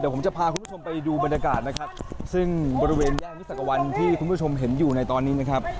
ผมจะพาคุณผู้ชมไปดูบรรยากาศนะครับซึ่งบริเวณย่านวิสักวันที่คุณผู้ชมเห็นอยู่ในตอนนี้นะครับ